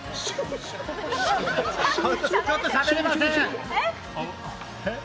ちょっとしゃべれません！